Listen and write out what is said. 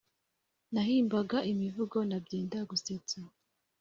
nahimbaga imivugo na byenda gusetsa